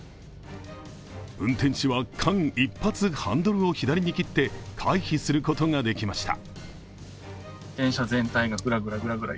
運転手は間一髪、ハンドルを左に切って回避することができました。